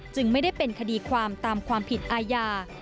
จึงไม่ได้เป็นคดีความตามความผิดอาญา